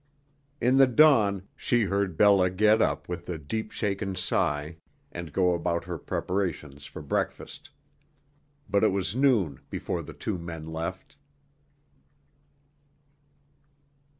In the dawn she heard Bella get up with a deep shaken sigh and go about her preparations for breakfast. But it was noon before the two men left.